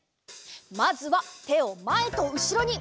まずはてをまえとうしろに。